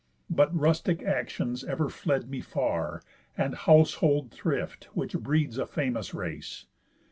But rustic actions ever fled me far, And household thrift, which breeds a famous race.